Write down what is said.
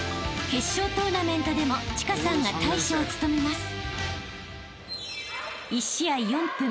［決勝トーナメントでも千佳さんが大将を務めます］